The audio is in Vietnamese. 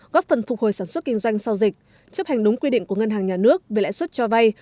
góp phần phục hồi sản xuất kinh doanh sau dịch chấp hành đúng quy định của ngân hàng nhà nước về lãi suất cho vay